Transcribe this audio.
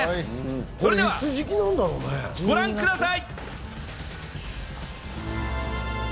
それではご覧ください。